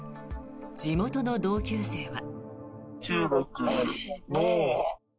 地元の同級生は。